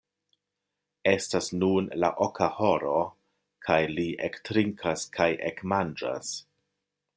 Estas nun la oka horo, kaj li ektrinkas kaj ekmanĝas.